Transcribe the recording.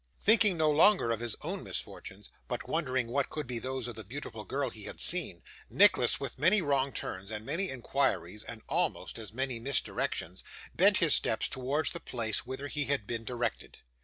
Thinking no longer of his own misfortunes, but wondering what could be those of the beautiful girl he had seen, Nicholas, with many wrong turns, and many inquiries, and almost as many misdirections, bent his steps towards the place whither he had been directed.